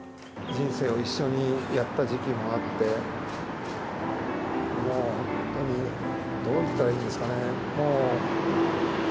人生を一緒にやった時期もあって、もう本当にどう言ったらいいんですかね。